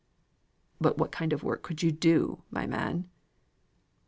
"But what kind of work could you do, my man?"